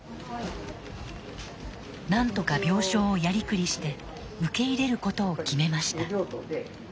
何とか病床をやりくりして受け入れることを決めました。